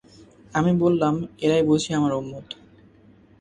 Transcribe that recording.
আমি বললাম, এরাই বুঝি আমার উম্মত।